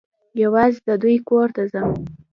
یوازي د دوی کور ته ځم .